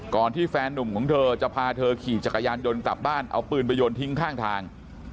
ที่แฟนนุ่มของเธอจะพาเธอขี่จักรยานยนต์กลับบ้านเอาปืนไปโยนทิ้งข้างทาง